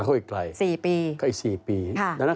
อืม